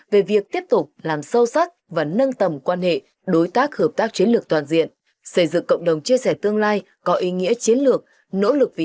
vừa không ngừng đổi mới